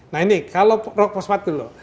nah ini kalau rog pospat dulu